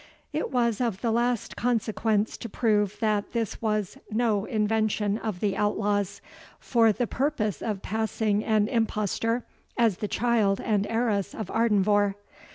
It was of the last consequence to prove that this was no invention of the outlaw's, for the purpose of passing an impostor as the child and heiress of Ardenvohr.